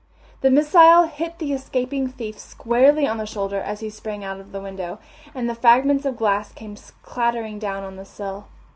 The missile hit the escaping thief squarely on the shoulder as he sprang out of the window, and the fragments of glass came clattering down on the sill.